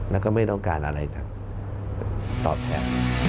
แล้วก็ไม่ต้องการอะไรจะตอบแทน